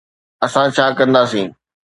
اسان ڇا ڪنداسين؟